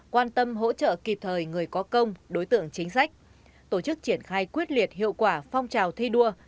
quan tâm hỗ trợ kịp thời người có công đối tượng chính sách tổ chức triển khai quyết liệt hiệu quả phong trào thi đua